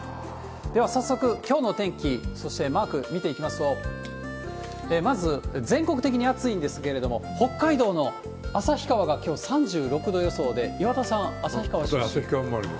では、早速、きょうのお天気、そしてマーク見ていきますと、まず全国的に暑いんですけれども、北海道の旭川がきょう３６度予想で、岩田さん、旭川出身で？